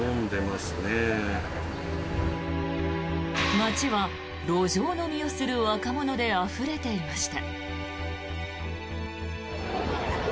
街は路上飲みをする若者であふれていました。